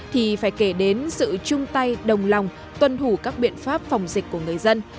thì phải kể đến sự chung tay đồng lòng tuân thủ các biện pháp phòng dịch của người dân